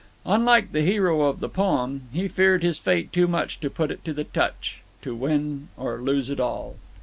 Unlike the hero of the poem, he feared his fate too much to put it to the touch, to win or lose it all.